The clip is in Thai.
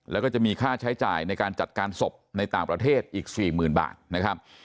แล้วก็จะมีค่าใช้จ่ายในการจัดการศพในต่างประเทศอีก๔๐๐๐บาทนะครับ